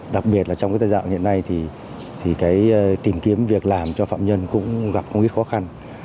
đặc biệt trong thời gian hiện nay tìm kiếm việc làm cho phạm nhân cũng gặp rất nhiều khó khăn